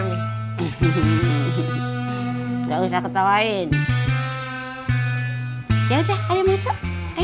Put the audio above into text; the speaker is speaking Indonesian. enggak usah ketawain ya udah ayo masuk